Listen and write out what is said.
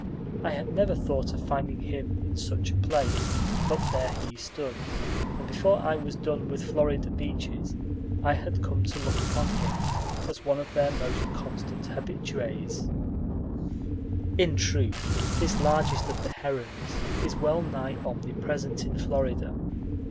I had never thought of finding him in such a place; but there he stood, and before I was done with Florida beaches I had come to look upon him as one of their most constant habitués. In truth, this largest of the herons is well nigh omnipresent in Florida.